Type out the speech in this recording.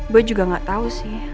gue juga gak tahu sih